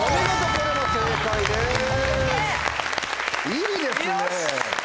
いいですね。